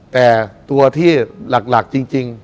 แต่ตัวที่หลักจริง